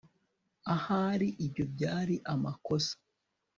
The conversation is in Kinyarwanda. ahari ibyo byari amakosa